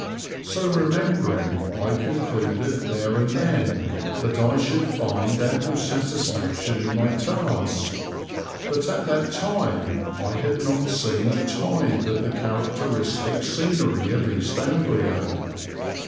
So remembering I concluded, there and then, that I should find ample satisfaction in my task. But at that time I had not seen a tithe of the characteristic scenery of East Anglia.